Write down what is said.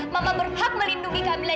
mama berhak melindungi kamila